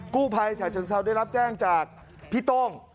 กู้ภัยฉะเชิงเซาได้รับแจ้งจากพี่โต้ง